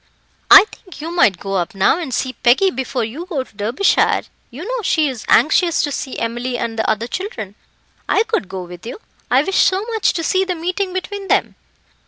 "I think you might go up now and see Peggy before you go to Derbyshire; you know she is anxious to see Emily and the other children. I could go with you. I wish so much to see the meeting between them."